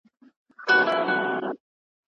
سالم مایټوکونډریا کارول کېږي.